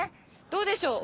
どうでしょう